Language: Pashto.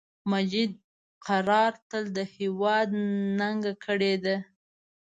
مجید قرار تل د هیواد ننګه کړی ده